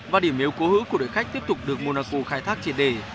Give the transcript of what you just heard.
và điểm yếu cố hữu của đội khách tiếp tục được monaco khai thác trên đề